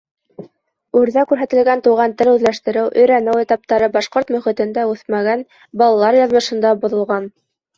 Үрҙә күрһәтелгән туған тел үҙләштереү, өйрәнеү этаптары башҡорт мөхитендә үҫмәгән балалар яҙмышында боҙолған.